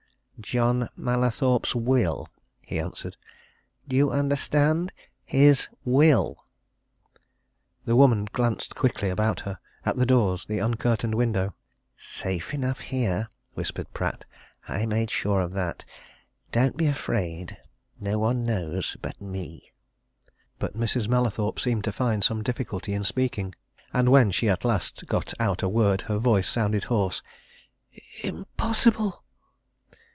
"John Mallathorpe's will!" he answered. "Do you understand? His will!" The woman glanced quickly about her at the doors, the uncurtained window. "Safe enough here," whispered Pratt. "I made sure of that. Don't be afraid no one knows but me." But Mrs. Mallathorpe seemed to find some difficulty in speaking, and when she at last got out a word her voice sounded hoarse. "Impossible!"